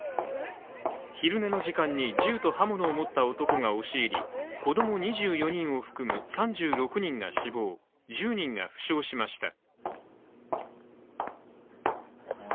昼寝の時間に銃と刃物を持った男が押し入り子供２４人を含む３６人が死亡、１０人が負傷しました。